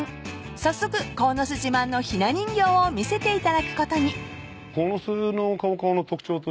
［早速鴻巣自慢のひな人形を見せていただくことに］